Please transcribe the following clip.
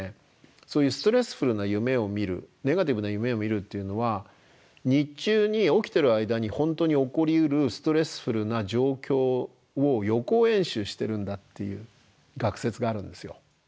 そういうストレスフルな夢を見るネガティブな夢を見るっていうのは日中に起きてる間に本当に起こりうるストレスフルな状況を予行演習してるんだっていう学説があるんですよ。